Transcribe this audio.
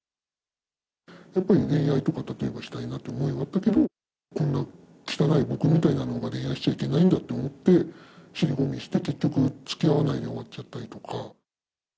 やっぱり恋愛とか、例えばしたいなって思いはあったけど、こんな汚い僕みたいなのが恋愛しちゃいけないんだって思って、尻込みして結局、つきあわないで終わっちゃったりとか。